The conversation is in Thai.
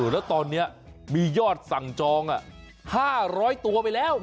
แล้วตอนนี้มียอดสั่งจอง๕๐๐ตัวไปแล้ว